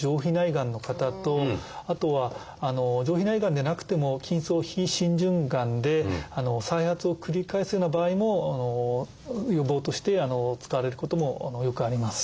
がんの方とあとは上皮内がんじゃなくても筋層非浸潤がんで再発を繰り返すような場合も予防として使われることもよくあります。